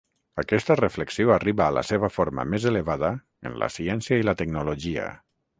Aquesta reflexió arriba a la seva forma més elevada en la ciència i la tecnologia.